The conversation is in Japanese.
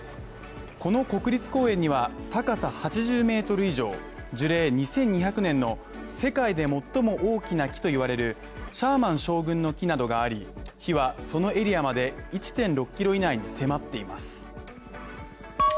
この国立公園には高さ８０ｍ以上、樹齢２２００年の世界で最も大きな木と言われるシャーマン将軍の木などがあり火はそのエリアまで１．６ｋｍ以内に迫っています。